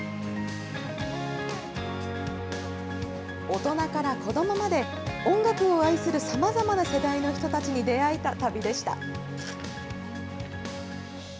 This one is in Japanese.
大人から子どもまで、音楽を愛するさまざまな世代の人たちに出会えた旅でした。